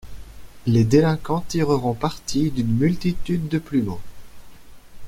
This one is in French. Les délinquants tireront parti d'une multitude de plumeaux.